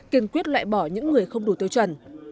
kiên quyết loại bỏ những người không đủ tiêu chuẩn